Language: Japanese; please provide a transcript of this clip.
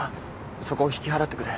そこを引き払ってくれ